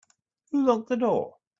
Who locked the door?